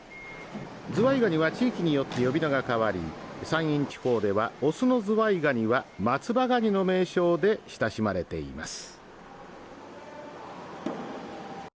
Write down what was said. ズワイガニは地域によって呼び名が変わり山陰地方では雄のズワイガニは松葉ガニの名称で親しまれています